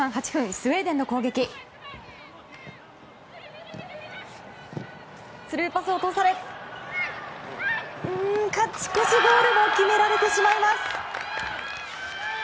スルーパスを通され勝ち越しゴールも決められてしまいます。